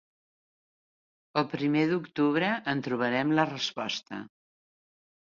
El primer d’octubre en trobarem la resposta.